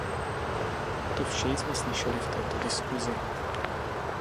To vše jsme slyšeli v této diskusi.